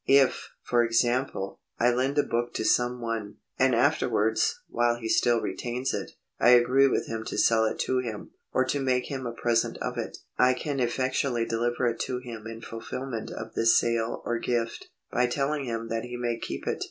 If, for example, I lend a book to some one, and afterwards, while he still retains it, I agree with him to sell it to him, or to make him a present of it, I can efiFectually deliver it to him in fulfilment of this sale or gift, by telling him that he may keep it.